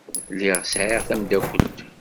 Lliɣ sɛiɣ tamdakelt.